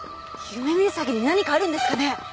夢見兎に何かあるんですかね？